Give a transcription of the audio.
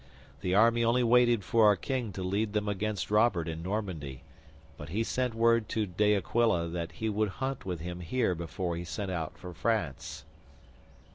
The army only waited for our King to lead them against Robert in Normandy, but he sent word to De Aquila that he would hunt with him here before he set out for France.